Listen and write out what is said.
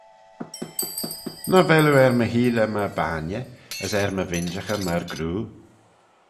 Nagh vel oo er my heeley myr bainney, as er my vinjaghey myr groo?